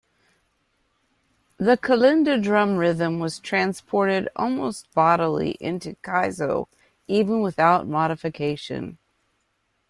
The kalinda drum rhythm was transported almost bodily into Kaiso even without modification.